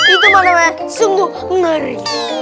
itu namanya sungguh ngeri